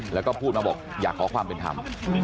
แล้วก็พูดมาบอกอยากขอความเป็นธรรม